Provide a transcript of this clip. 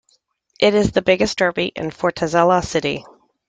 It is the biggest derby in Fortaleza city.